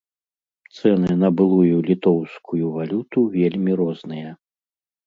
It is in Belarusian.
Цэны на былую літоўскую валюту вельмі розныя.